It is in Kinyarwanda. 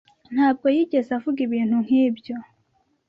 ntabwo yigeze avuga ibintu nkibyo.